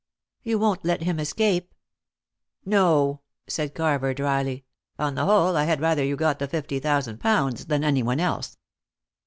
"You won't let him escape?" "No," said Carver dryly. "On the whole, I had rather you got the fifty thousand pounds than anyone else."